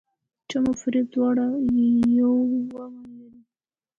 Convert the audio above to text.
چم او فریب دواړه یوه معنی لري.